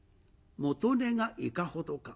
元値がいかほどか。